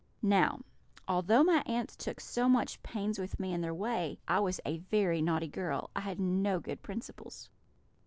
"Now, although my aunts took so much pains with me in their way, I was a very naughty girl; I had no good principles."